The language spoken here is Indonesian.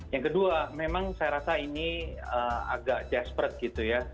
yang kedua memang saya rasa ini agak jasperd gitu ya